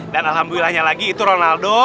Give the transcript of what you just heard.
dan alhamdulillahnya lagi itu ronaldo